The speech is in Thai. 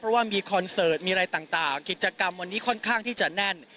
เพราะว่ามีคอนเสิร์ตมีอะไรต่างกิจกรรมวันนี้ค่อนข้างที่จะแน่น